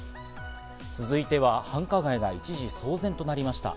続いては繁華街が一時騒然となりました。